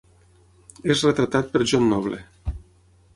És retratat per John Noble.